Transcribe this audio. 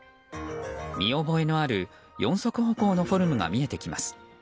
見覚えのある４足歩行のフォルムが見えてきます。